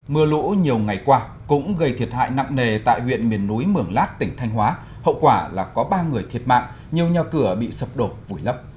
mưa lũ nhiều ngày qua cũng gây thiệt hại nặng nề tại huyện miền núi mường lát tỉnh thanh hóa hậu quả là có ba người thiệt mạng nhiều nhà cửa bị sập đổ vùi lấp